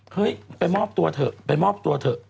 เฮ้ยไปมอบตัวเถอะ